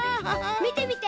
みてみて！